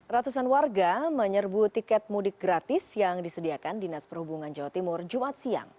ratusan warga menyerbu tiket mudik gratis yang disediakan dinas perhubungan jawa timur jumat siang